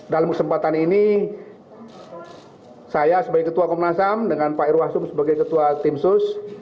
dalam kesempatan ini saya sebagai ketua komnas ham dengan pak irwasum sebagai ketua tim sus